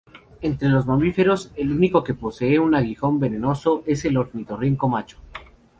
Entre los mamíferos, el único que posee un aguijón venenoso es el ornitorrinco macho.